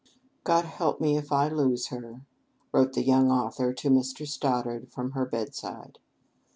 "God help me, if I lose her!" wrote the young author to Mr. Stoddard from her bedside.